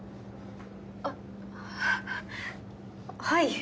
あっはい。